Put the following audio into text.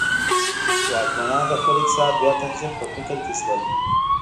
واکمنان د خپل اقتصاد بیا تنظیم په فکر کې شول.